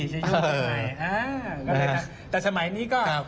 ในช่วงปีใหม่แต่สมัยนี้ก็